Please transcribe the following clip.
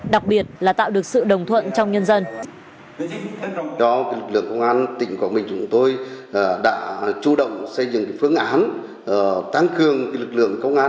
đặc biệt là tạo được sự đồng thuận trong nhân dân